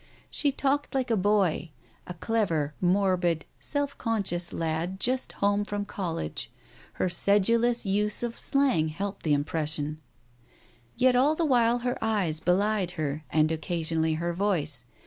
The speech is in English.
She talked like a boy — a clever, morbid, self conscious lad just home from college, her sedulous use of slang helped the impression. Yet all the while her eyes belied her and occasionally her voice.